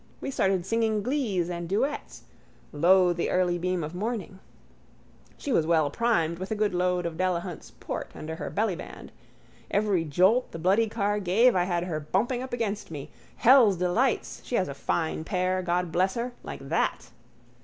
We started singing glees and duets: Lo, the early beam of morning. She was well primed with a good load of Delahunt's port under her bellyband. Every jolt the bloody car gave I had her bumping up against me. Hell's delights! She has a fine pair, God bless her. Like that.